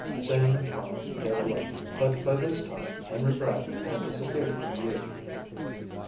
Sam and Tom gave a look, but by this time Henry Bradner had disappeared from view.